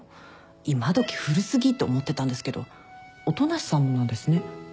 今どき古過ぎと思ってたんですけど音無さんもなんですね。